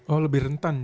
oh lebih rentan